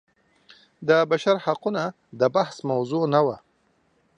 بشر حقونه بحث موضوع نه وه.